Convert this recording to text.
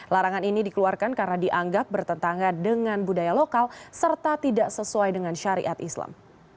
larangan ini dikeluarkan karena dianggap bertentangan dengan budaya lokal serta tidak sesuai dengan syariat islam